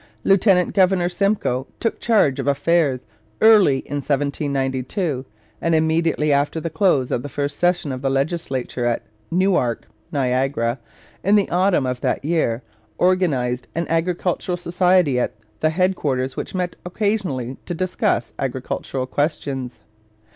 Lieutenant Governor Simcoe took charge of affairs early in 1792, and, immediately after the close of the first session of the legislature at Newark (Niagara) in the autumn of that year, organized an agricultural society at the headquarters which met occasionally to discuss agricultural questions.